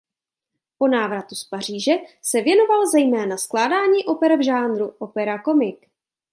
Po návratu do Paříže se věnoval zejména skládání oper v žánru opéra comique.